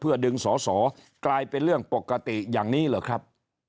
ดึงสอสอกลายเป็นเรื่องปกติอย่างนี้เหรอครับ